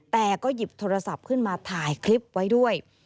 แต่ก็หยิบโทรศัพท์ขึ้นมาถ่ายคลิปไว้ด้วย